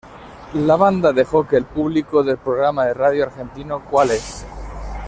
La banda dejó que el público del programa de radio argentino Cuál es?